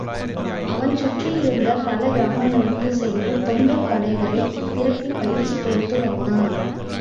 அவன் சுற்றியிருந்த பல கிராமங்களுக்குச் சென்று, தொண்டர் படைகளைத் திரட்டிப் பயிற்சி கொடுத்து வந்தான்.